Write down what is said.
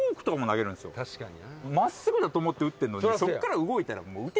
真っすぐだと思って打ってんのにそっから動いたら。